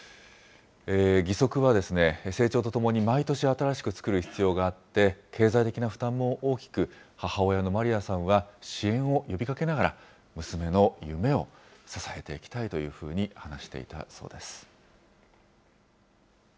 義足は成長とともに毎年新しく作る必要があって、経済的な負担も大きく、母親のマリアさんは、支援を呼びかけながら、娘の夢を支えていきたいというふうに話していたそうです。